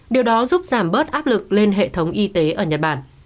điều đó giúp giảm bớt áp lực lên hệ thống y tế ở nhật bản